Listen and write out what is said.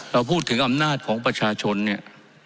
เราพูดถึงอำนาจของประชาชนเนี่ย